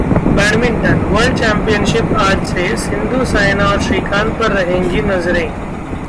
badminton: world championship आज से, सिंधु, साइना और श्रीकांत पर रहेंगी नजरें